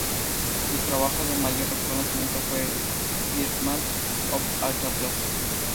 Su trabajo de mayor reconocimiento fue "Birdman of Alcatraz".